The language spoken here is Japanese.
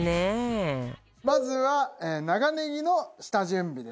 まずは長ネギの下準備です。